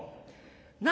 何？